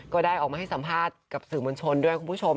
ก็ได้ออกมาให้สัมภาษณ์กับสื่อมวลชนด้วยคุณผู้ชม